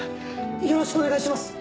よろしくお願いします。